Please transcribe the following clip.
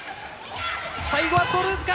最後はドルーズか！